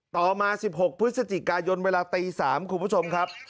ต่อมา๑๖พฤศจิกายนเวลาตี๓คุณผู้ชมครับ